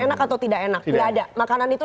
enak atau tidak enak nggak ada makanan itu